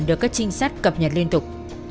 được các trinh sát cập nhật liên tục